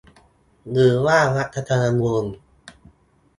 หรือว่า รัฐธรรมนูญ